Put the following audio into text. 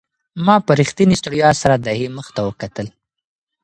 ما په رښتینې ستړیا سره د هغې مخ ته وکتل.